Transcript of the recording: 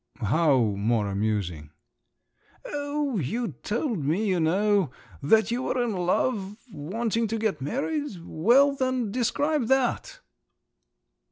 "How more amusing?" "Oh, you told me, you know, that you were in love, wanting to get married. Well, then, describe that."